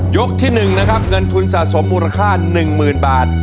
ที่๑นะครับเงินทุนสะสมมูลค่า๑๐๐๐บาท